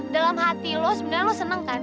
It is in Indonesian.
dalam hati lo sebenarnya lo seneng kan